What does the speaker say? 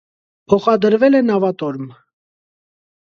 Փոխադրվել է նավատորմ։